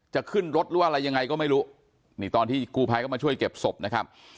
จะขึ้นรถหรือว่าอะไรยังไงก็ไม่รู้นี่ตอนที่กูภัยก็มาช่วยเก็บศพนะครับ